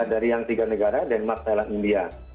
dari yang tiga negara denmark thailand india